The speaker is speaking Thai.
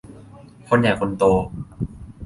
คนใหญ่คนโต